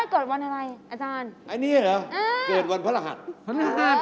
เกิดวันพระรหัส